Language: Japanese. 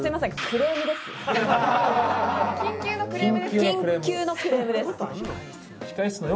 私達緊急のクレームですね